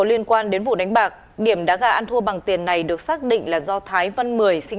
liên quan đến vụ đánh bạc điểm đá gà ăn thua bằng tiền này được xác định là do thái văn một mươi sinh